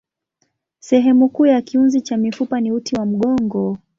Sehemu kuu ya kiunzi cha mifupa ni uti wa mgongo.